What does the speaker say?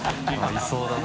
いそうだな。